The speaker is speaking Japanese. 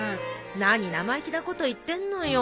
何生意気なこと言ってんのよ。